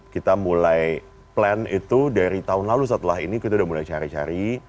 kita mulai plan itu dari tahun lalu setelah ini kita udah mulai cari cari